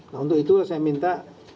nah untuk itu saya minta